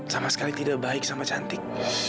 sama sekali tidak baik sama cantik